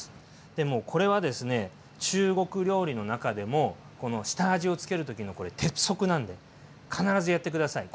これはですね中国料理の中でも下味を付ける時のこれ鉄則なんで必ずやって下さい。